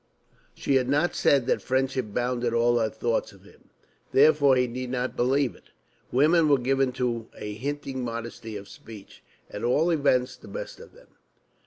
She had not said that friendship bounded all her thoughts of him. Therefore he need not believe it. Women were given to a hinting modesty of speech, at all events the best of them.